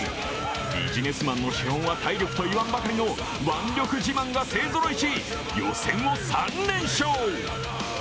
ビジネスマンの資本は体力といわんばかりの腕力自慢が勢ぞろいし予選を３連勝。